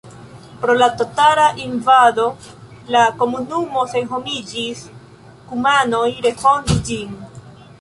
Pro la tatara invado la komunumo senhomiĝis, kumanoj refondis ĝin.